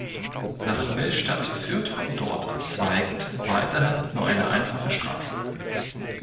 Nach Millstatt führte von dort abzweigend weiterhin nur eine einfache Straße.